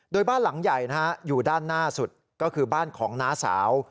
โดยบ้านหลังใหญ่อยู่ด้านหน้าสุดก็คือบ้านของน้าสาว